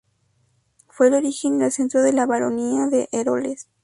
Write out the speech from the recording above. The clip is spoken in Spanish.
Fue el origen y el centro de la baronía de Eroles.